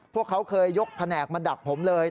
พวกเขาเคยยกแผนกมาดักผมเลย